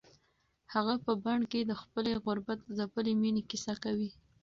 هغه په بن کې د خپلې غربت ځپلې مېنې کیسه کوي.